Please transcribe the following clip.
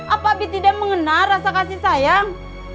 apa abi tidak mengenal rasa kasih sayang